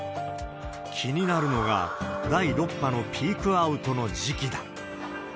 気になるのが、第６波のピークアウトの時期だ。